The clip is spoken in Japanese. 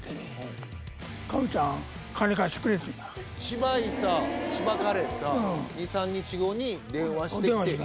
しばいたしばかれた２３日後に電話してきて。